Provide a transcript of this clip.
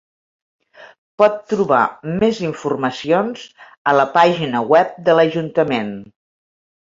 Pot trobar més informacions a la pàgina web de l'Ajuntament.